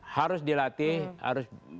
harus dilatih harus